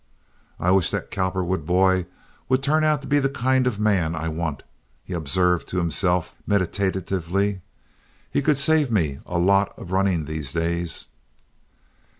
"I wish that Cowperwood boy would turn out to be the kind of man I want," he observed to himself, meditatively. "He could save me a lot of running these days."